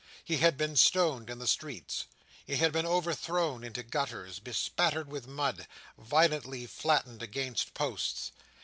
He had been stoned in the streets. He had been overthrown into gutters; bespattered with mud; violently flattened against posts.